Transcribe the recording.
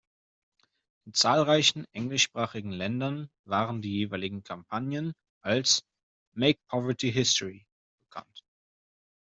In zahlreichen englischsprachigen Ländern waren die jeweiligen Kampagnen als "Make Poverty History" bekannt.